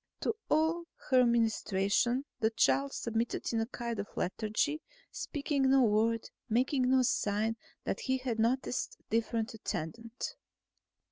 To all her ministrations the child submitted in a kind of lethargy, speaking no word, making no sign that he had noticed a different attendant.